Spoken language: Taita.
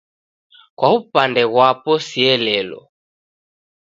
Kwa w'upande ghwapo sielelo